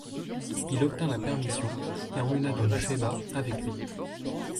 Il obtint la permission, et emmena donc Chayba avec lui.